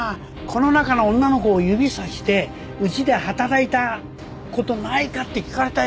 この中の女の子を指さしてうちで働いた事ないかって聞かれたよ。